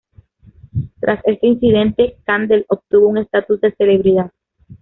Tras este incidente, Kandel obtuvo un status de celebridad.